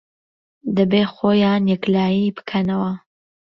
دەبێ خۆیان یەکلایی بکەنەوە